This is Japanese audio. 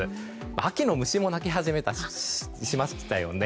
秋の虫も鳴き始めたりしましたよね。